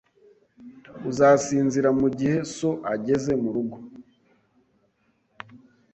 Uzasinzira mugihe so ageze murugo.